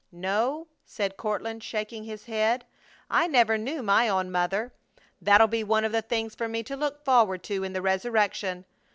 "No," said Courtland, shaking his head. "I never knew my own mother. That'll be one of the things for me to look forward to in the resurrection.